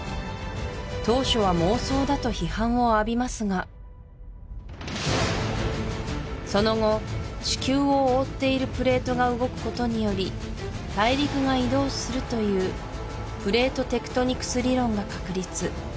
当初は妄想だと批判を浴びますがその後地球を覆っているプレートが動くことにより大陸が移動するというプレート・テクトニクス理論が確立